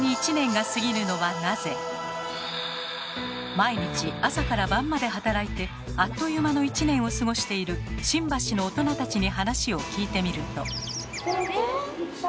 毎日朝から晩まで働いてあっという間の１年を過ごしている新橋の大人たちに話を聞いてみると。